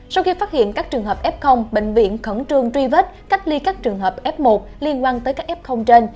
sau khi phát hiện các trường hợp f bệnh viện khẩn trương truy vết cách ly các trường hợp f một liên quan tới các f trên